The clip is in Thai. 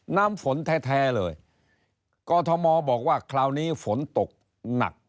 น้ำฝนแท้เลยกอทมบอกว่าคราวนี้ฝนตกหนัก